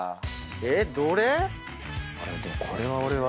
えっ！どれ？